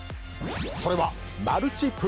それは。